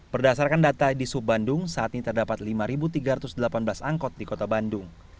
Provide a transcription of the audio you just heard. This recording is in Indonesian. berdasarkan data di sub bandung saat ini terdapat lima tiga ratus delapan belas angkot di kota bandung